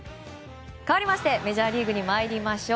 かわりましてメジャーリーグに参りましょう。